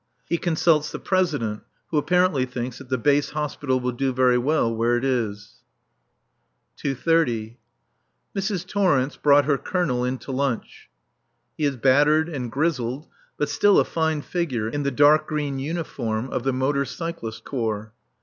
He consults the President, who apparently thinks that the base hospital will do very well where it is. [2.30.] Mrs. Torrence brought her Colonel in to lunch. He is battered and grizzled, but still a fine figure in the dark green uniform of the Motor Cyclist Corps.